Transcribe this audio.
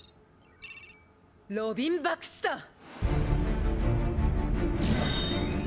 ロビン・バクスター！